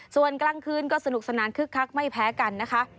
ส่วนกลางคืนก็สนุกสนานคึกคักไม่แพ้กันนะคะ